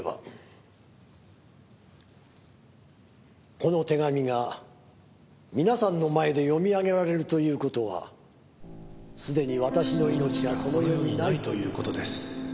「この手紙が皆さんの前で読み上げられるという事はすでに私の命がこの世にないという事です」